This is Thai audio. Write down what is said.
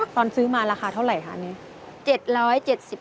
ตอนซื้อมาราคาเท่าไหร่คะนี้